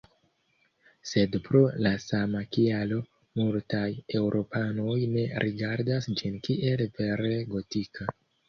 Sed pro la sama kialo, multaj eŭropanoj ne rigardas ĝin kiel vere gotika.